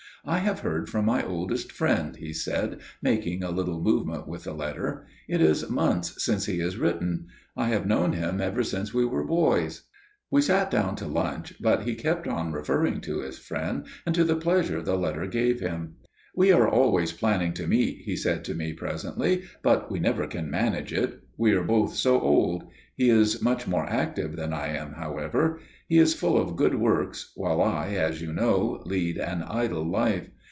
"I have heard from my oldest friend," he said, making a little movement with the letter. "It is months since he has written. I have known him ever since we were boys." We sat down to lunch, but he kept on referring to his friend, and to the pleasure the letter gave him. "We are always planning to meet," he said to me presently. "But we never can manage it. We are both so old. He is much more active than I am, however. He is full of good works, while I, as you know, lead an idle life.